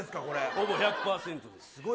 ほぼ１００％です。